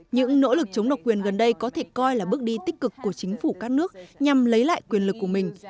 những nỗ lực chống độc quyền gần đây có thể coi là bước đi tích cực của chính phủ các nước nhằm lấy lại quyền lực của mình